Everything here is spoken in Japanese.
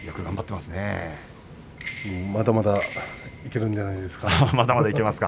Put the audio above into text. まだまだいけるんじゃないですか。